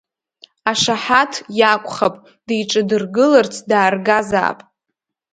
Ашаҳаҭ иакәхап, диҿадыргыларц дааргазаап.